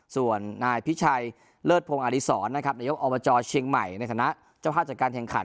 ส่วนนายพิชัยเลิศพงศ์อดีศรนะครับนายกอบจเชียงใหม่ในฐานะเจ้าภาพจัดการแข่งขัน